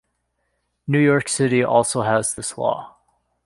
New York City also has this law.